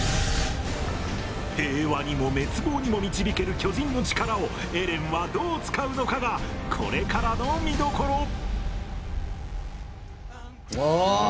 平和にも滅亡にも導ける巨人の力をエレンはどう使うのかがこれからの見どころ。